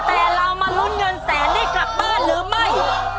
แต่เรามาลุ้นเงินแสนได้กลับบ้านหรือไม่